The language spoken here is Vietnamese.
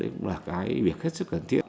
cũng là cái việc hết sức cần thiết